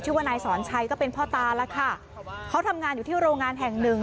ว่านายสอนชัยก็เป็นพ่อตาแล้วค่ะเขาทำงานอยู่ที่โรงงานแห่งหนึ่ง